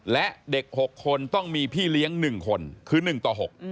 และเด็ก๖คนต้องมีพี่เลี้ยง๑คนคือ๑ต่อ๖